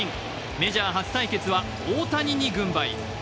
メジャー初対決は大谷に軍配。